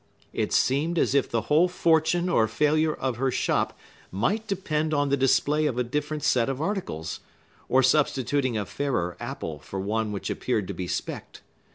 It seemed as if the whole fortune or failure of her shop might depend on the display of a different set of articles, or substituting a fairer apple for one which appeared to be specked.